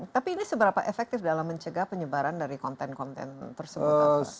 tapi ini seberapa efektif dalam mencegah penyebaran dari konten konten tersebut